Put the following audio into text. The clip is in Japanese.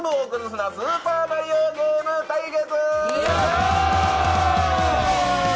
スーパーマリオゲーム対決！